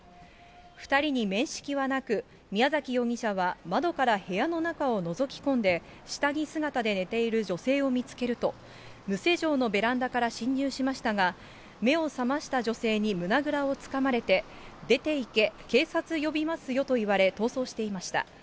２人に面識はなく、宮崎容疑者は、窓から部屋の中をのぞき込んで、下着姿で寝ている女性を見つけると、無施錠のベランダから侵入しましたが、目を覚ました女性に胸ぐらをつかまれて、出ていけ、警察呼びますよと言われ、逃走していました。